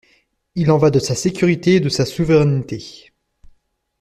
Il en va de sa sécurité et de sa souveraineté.